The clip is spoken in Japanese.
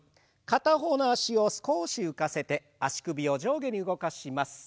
片方の脚を少し浮かせて足首を上下に動かします。